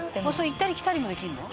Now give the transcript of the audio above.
「行ったり来たりもできるの？」